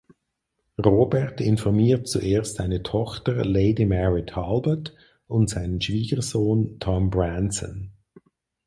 Robert informiert zuerst seine Tochter Lady Mary Talbot und seinen Schwiegersohn Tom Branson.